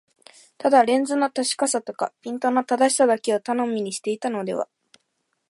ただレンズの確かさとかピントの正しさだけを頼みにしていたのでは、